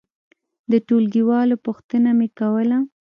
د ټولګي والو پوښتنه مې کوله.